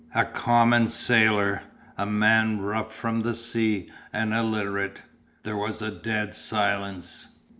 A common sailor. A man rough from the sea and illiterate." There was a dead silence.